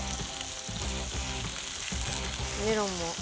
メロンも。